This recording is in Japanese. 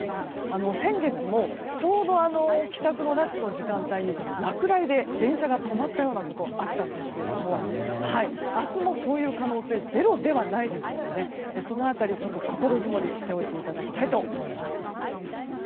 先月もちょうど帰宅ラッシュ時間帯に落雷で電車が止まったようなことがあったんですが明日もそういう可能性ゼロではないですのでその辺り心づもりしておいていただきたいと思います。